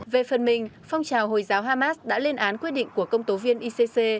về phần mình phong trào hồi giáo hamas đã lên án quyết định của công tố viên icc